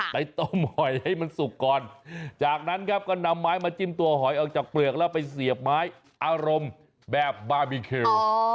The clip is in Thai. ไปต้มหอยให้มันสุกก่อนจากนั้นครับก็นำไม้มาจิ้มตัวหอยออกจากเปลือกแล้วไปเสียบไม้อารมณ์แบบบาร์บีคิว